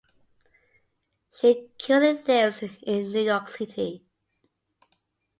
She currently lives in New York City.